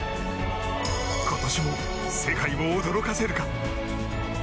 今年も、世界を驚かせるか。